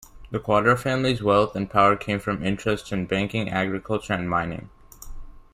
The Cuadra family's wealth and power came from interests in banking, agriculture, and mining.